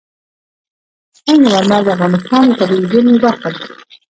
سنگ مرمر د افغانستان د طبیعي زیرمو برخه ده.